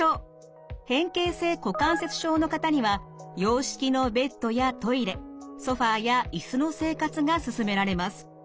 変形性股関節症の方には洋式のベッドやトイレソファーや椅子の生活がすすめられます。